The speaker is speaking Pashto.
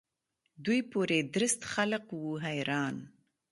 دوی پوري درست خلق وو حیران.